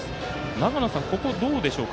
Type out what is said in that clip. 長野さん、ここはどうでしょうか。